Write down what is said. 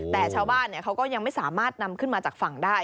แต่ชาวบ้านเขาก็ยังไม่สามารถนำขึ้นมาจากฝั่งได้